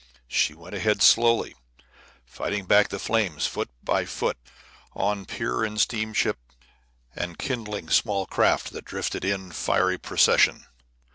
She went ahead slowly, fighting back the flames foot by foot, on pier and steamship and kindling small craft that drifted by in fiery procession.